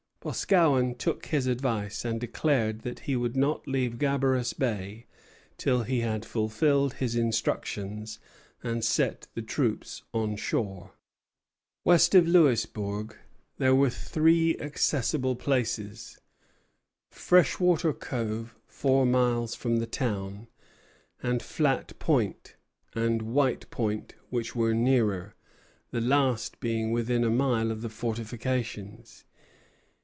Boscawen took his advice, and declared that he would not leave Gabarus Bay till he had fulfilled his instructions and set the troops on shore. Entick, III. 224. West of Louisbourg there were three accessible places, Freshwater Cove, four miles from the town, and Flat Point, and White Point, which were nearer, the last being within a mile of the fortifications.